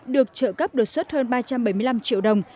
được trợ cấp đột xuất hơn ba trăm bảy mươi năm triệu đồng